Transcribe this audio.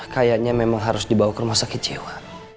kayaknya memang harus dibawa ke rumah sakit jiwa